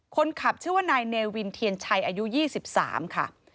คนขับเชื่อว่านายเนวินเตญชัยอายุยี่สิบสามค่ะ